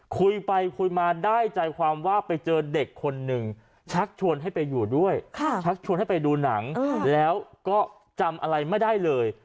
คุยไปคุยมาได้ใจความว่าไปเจอเด็กคนหนึ่งชักชวนให้ไปอยู่ด้วยชักชวนให้ไปดูหนังแล้วก็จำอะไรไม่ได้เลย